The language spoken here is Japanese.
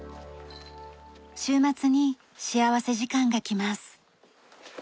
週末に幸福時間が来ます。